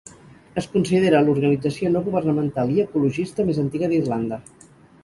Es considera l'organització no governamental i ecologista més antiga d'Irlanda.